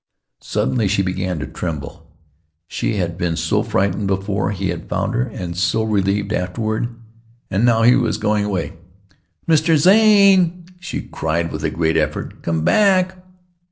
Suddenly she began to tremble. She had been so frightened before he had found her, and so relieved afterward; and now he was going away. "Mr. Zane," she cried with a great effort. "Come back."